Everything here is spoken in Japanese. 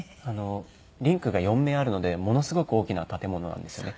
リンクが４面あるのでものすごく大きな建物なんですよね。